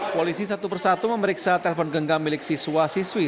polisi satu persatu memeriksa telpon genggam milik siswa siswi